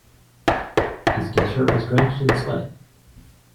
His t-shirt was drenched in sweat.